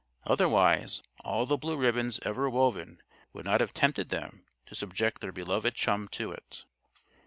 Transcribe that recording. Otherwise all the blue ribbons ever woven would not have tempted them to subject their beloved chum to it.